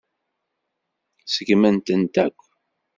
Seggment-tent akk.